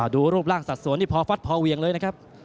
ดูรูปร่างสัดสวนนี่พอฟัดพอเวียงเลยนะครับ